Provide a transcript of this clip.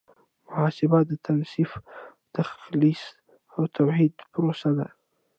محاسبه د تنصیف او تخلیص او توحید پروسه ده.